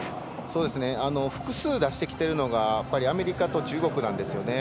複数出してきてるのがアメリカと中国なんですよね。